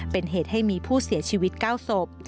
เป็นเหตุให้มีผู้เสียชีวิต๙ศพ